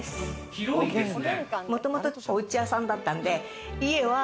広いですね。